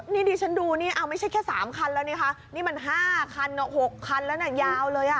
นี่ดิฉันดูนี่เอาไม่ใช่แค่๓คันแล้วนะคะนี่มัน๕คัน๖คันแล้วนะยาวเลยอ่ะ